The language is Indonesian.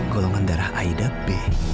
golongan darah aida b